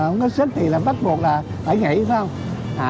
không có sức thì là bắt buộc là phải nghỉ